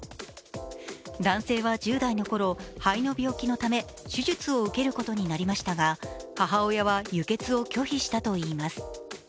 男性は１０代のころ、肺の病気のため手術を受けることになりましたが、母親は輸血を拒否したといいます。